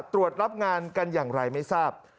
ตรวจรับงานกันอย่างไรไม่ทราบ